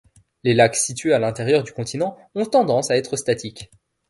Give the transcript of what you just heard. Les lacs situés à l'intérieur du continent ont tendance à être statiques.